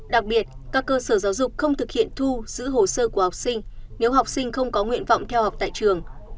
đặc biệt các cơ sở giáo dục không thực hiện thu giữ hồ sơ của học sinh nếu học sinh không có nguyện vọng theo học tại trường